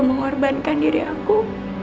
aku mengorbankan diri aku